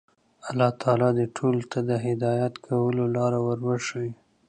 الله تعالی دې ټولو ته د هدایت کولو لاره ور وښيي.